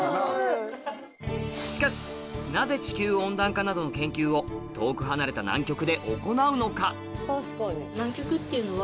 しかしなぜ地球温暖化などの研究を遠く離れた南極で行うのか？